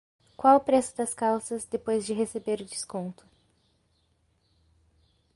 Qual o preço das calças depois de receber o desconto?